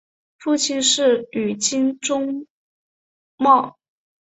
父亲是宇津忠茂。